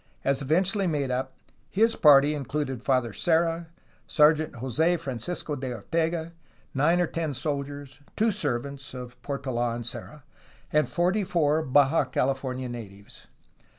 As eventually made up, his party included Father Serra, Sergeant Jose Francisco de Ortega, nine or ten soldiers, two servants (of Portold and Serra), and forty four Baja Cah fornia natives.